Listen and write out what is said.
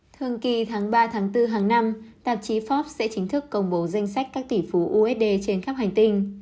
thường kỳ tháng ba tháng bốn tháng năm tạp chí forbes sẽ chính thức công bố danh sách các tỷ phú usd trên khắp hành tinh